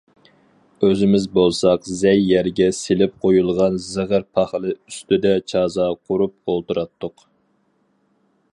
ئۆزىمىز بولساق زەي يەرگە سېلىپ قويۇلغان زىغىر پاخىلى ئۈستىدە چازا قۇرۇپ ئولتۇراتتۇق.